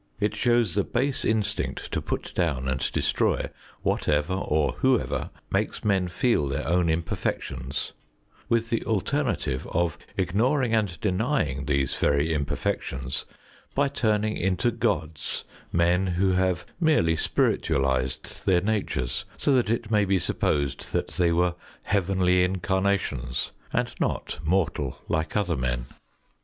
It shows the base instinct to put down and destroy whatever or whoever makes men feel their own imperfections; with the alternative of ignoring and denying these very imperfections by turning into gods men who have merely spiritualised their natures, so that it may be supposed that they were heavenly incarnations and not mortal like other men.